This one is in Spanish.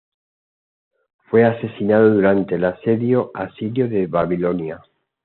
Fue asesinado durante el asedio asirio de Babilonia